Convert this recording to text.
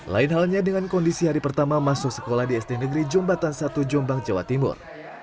lain halnya dengan kondisi hari pertama masuk sekolah di sd negeri jembatan satu jombang jawa timur